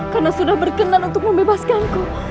karena sudah berkenan untuk membebaskanku